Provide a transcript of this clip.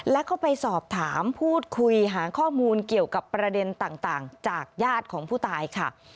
แล้วก็ไปสอบถามพูดคุยหาข้อมูลเกี่ยวกับประเด็นต่างจากญาติของผู้ตายค่ะ